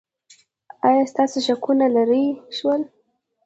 ایا ستاسو شکونه لرې شول؟